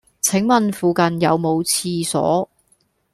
請問附近有無廁所